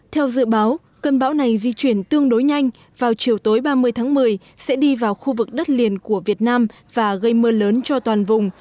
theo dự báo cơn bão này di chuyển tương đối nhanh vào chiều tối ba mươi tháng một mươi sẽ đi vào khu vực đất liền của việt nam và gây mưa lớn cho toàn vùng